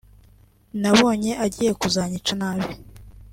“Nabonye agiye kuzanyica nabi